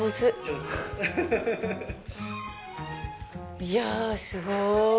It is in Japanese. いや、すごい。